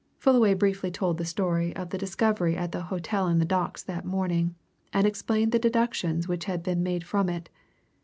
Fullaway briefly told the story of the discovery at the hotel in the Docks that morning, and explained the deductions which had been made from it.